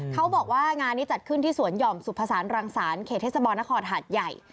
เขาบอกว่างานนี้จัดขึ้นที่สวนหย่อมสุภาษานรังสารเขตเทศบาลนครหาดใหญ่